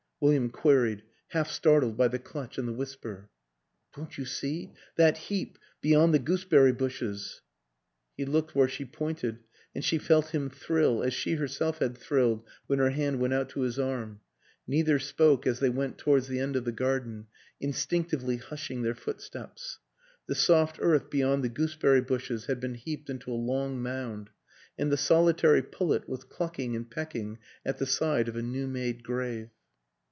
William queried, half startled by the clutch and the whisper. "Don't you see? that heap ... beyond the gooseberry bushes !" He looked where she pointed, and she felt him thrill, as she herself had thrilled when her hand wenUout to his arm; neither spoke as they went towards the end of the garden, instinctively hush ing their footsteps. ... The soft earth beyond the gooseberry bushes had been heaped into a long mound, and the solitary pullet was clucking and pecking at the side of a new made grave.